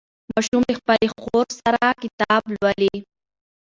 ماشوم له خپلې خور سره کتاب لولي